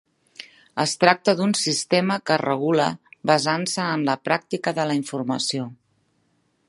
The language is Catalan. Es tracta d'un sistema que regula basant-se en la pràctica de la informació.